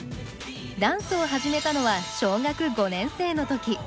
ダンスを始めたのは小学５年生の時。